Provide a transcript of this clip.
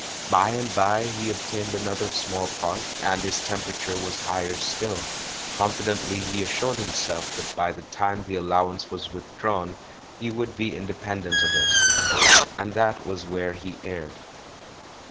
By and by he obtained another small part, and his temperature was higher still. Confidently he assured himself that by the time the allowance was withdrawn he would be inde pendent of it. And that was where he erred.